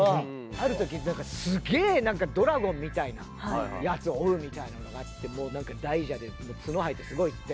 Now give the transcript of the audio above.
ある時なんかすげえドラゴンみたいなやつを追うみたいなのがあってもうなんか大蛇で角生えてすごいっつって。